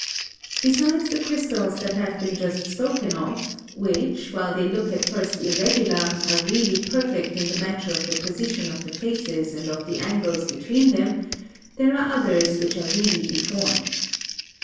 Besides the crystals that have been just spoken of, which, while they look at first irregular, are really per fect in the matter of the position of the faces and of 252 GEOLOGY the angles between them, there are others which are really deformed.